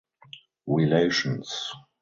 Relations.